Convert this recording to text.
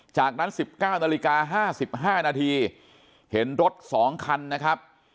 จากนั้น๑๙นาฬิกา๕๕นาทีเห็นรถ๒คันนะครับ